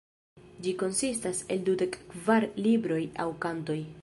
Ĝi konsistas el dudek kvar libroj aŭ kantoj.